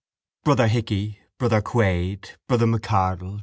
—Brother Hickey. Brother Quaid. Brother MacArdle.